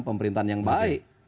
pemerintahan yang baik